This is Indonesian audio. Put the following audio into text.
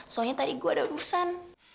soalnya tadi gue ada urusan